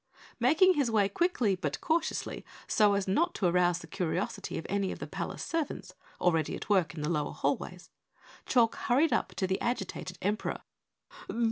Making his way quickly but cautiously so as not to arouse the curiosity of any of the palace servants, already at work in the lower hallways, Chalk hurried up to the agitated Emperor.